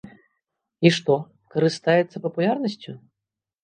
І што, карыстаецца папулярнасцю?